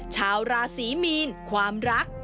ชาวราศีมีนความรัก